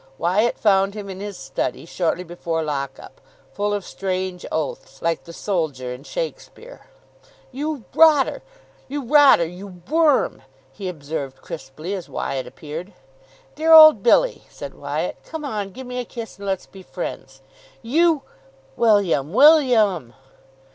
Wyatt found him in his study, shortly before lock up, full of strange oaths, like the soldier in Shakespeare. "You rotter! You rotter! You worm!" he observed crisply, as Wyatt appeared. "Dear old Billy!" said Wyatt. "Come on, give me a kiss, and let's be friends." "You !" "William! William!"